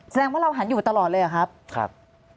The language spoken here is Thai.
แสดงว่าเราหันอยู่ตลอดเลยเหรอครับ